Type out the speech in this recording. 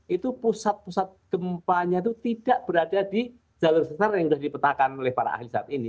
itu pusat pusat gempanya itu tidak berada di jalur sesar yang sudah dipetakan oleh para ahli saat ini